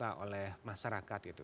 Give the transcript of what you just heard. atau oleh masyarakat gitu